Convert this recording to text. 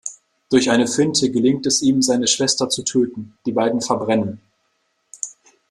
Durch eine Finte gelingt es ihm, seine Schwester zu töten, die beiden verbrennen.